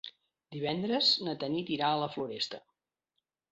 Divendres na Tanit irà a la Floresta.